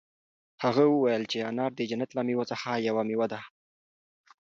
هغه وویل چې انار د جنت له مېوو څخه یوه مېوه ده.